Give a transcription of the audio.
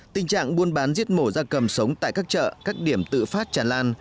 tình trạng buôn bán giết mổ da cầm sống tại các chợ các điểm tự phát tràn lan